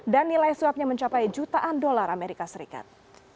dan nilai suapnya mencapai jutaan dolar amerika serikat